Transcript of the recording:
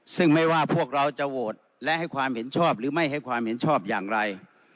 ซึ่งไม่ว่าพวกเราจะโหวตและให้ความเห็นชอบหรือไม่ให้ความเห็นชอบอย่างไร